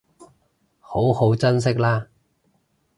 好好珍惜喇